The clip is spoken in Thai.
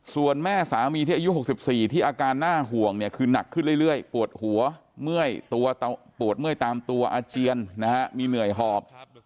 ส่วนแม่สามีที่อายุ๖๔ที่อาการน่าห่วงเนี่ยคือหนักขึ้นเรื่อยปวดหัวเมื่อปวดเมื่อยตามตัวอาเจียนนะฮะมีเหนื่อยหอบ